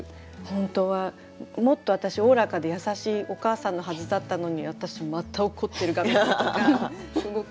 本当はもっと私おおらかで優しいお母さんのはずだったのに私また怒ってるガミガミとかすごく分かります。